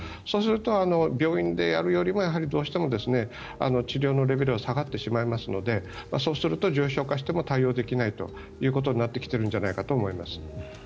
そうすると、病院でやるよりもどうしても治療のレベルは下がってしまいますのでそうすると重症化しても対応できないということになってきているんじゃないかと思います。